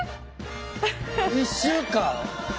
１週間？